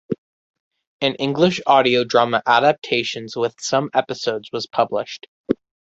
An English Audio drama adaptation with some episodes was published.